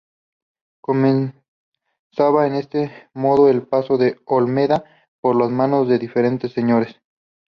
Comenzaba de este modo el paso de Olmeda por las manos de diferentes señores.